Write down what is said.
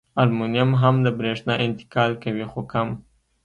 المونیم هم د برېښنا انتقال کوي خو کم.